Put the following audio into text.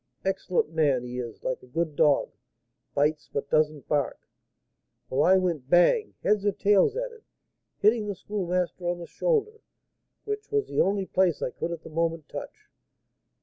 Excellent man! he is like a good dog, bites, but doesn't bark. Well, I went bang, heads or tails, at it, hitting the Schoolmaster on the shoulder, which was the only place I could at the moment touch.